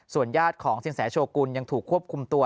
ญาติของสินแสโชกุลยังถูกควบคุมตัว